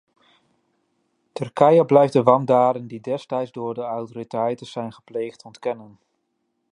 Turkije blijft de wandaden die destijds door de autoriteiten zijn gepleegd, ontkennen.